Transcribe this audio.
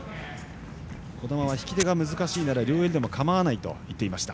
児玉は引き手が難しいなら両襟でもかまわないと言っていました。